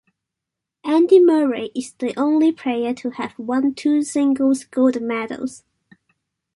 Andy Murray is the only player to have won two singles gold medals.